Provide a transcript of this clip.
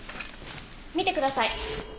見てください。